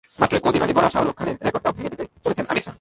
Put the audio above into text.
মাত্রই কদিন আগে গড়া শাহরুখ খানের রেকর্ডটাও ভেঙে দিতে চলেছেন আমির খান।